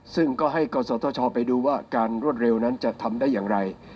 ซึ่งก็ให้กศธชไปดูว่าการรวดเร็วนั้นจะทำได้อย่างไร